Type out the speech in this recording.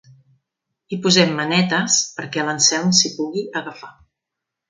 Hi posem manetes perquè l'Anselm s'hi pugui agafar.